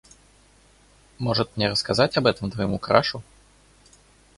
Может мне рассказать об этом твоему крашу?